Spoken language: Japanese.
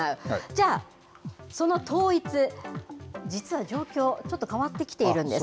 じゃあ、その統一、実は状況、ちょっと変わってきているんです。